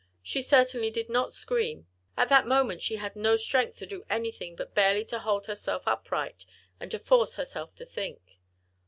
She certainly did not scream: at that moment, she had no strength to do anything but barely to hold herself upright, and to force herself to think.